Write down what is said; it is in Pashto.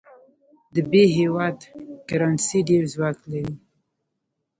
د ب هیواد کرنسي ډېر ځواک لري.